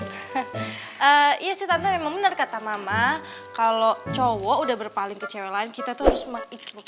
hai iya sih tante memang bener kata mama kalau cowok udah berpaling ke cewek lain kita tuh harus mengiksliknya